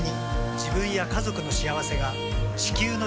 自分や家族の幸せが地球の幸せにつながっている。